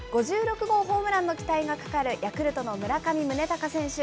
５６号ホームランの期待がかかるヤクルトの村上宗隆選手。